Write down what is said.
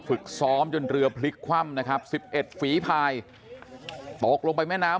ฝึกซ้อมจนเรือพลิกคว่ำนะครับ๑๑ฝีพายตกลงไปแม่น้ำ